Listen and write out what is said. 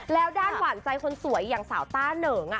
แล้วด้านหวานใจคนสวยอย่างสาวต้าเหนิง